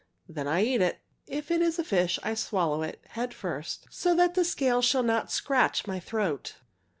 "Then I eat it. If it is a fish I swallow it, head first, so that the scales shall not scratch my throat.